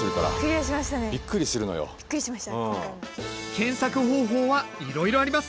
検索方法はいろいろあります。